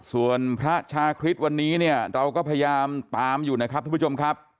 ส่วนพระชาคริสต์วันนี้เนี่ยเราก็พยายามตามอยู่นะครับทุกผู้ชมครับ